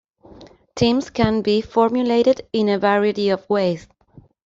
Teams can be formulated in a variety of ways.